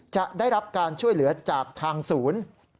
จะได้รับการช่วยเหลือจากทางศูนย์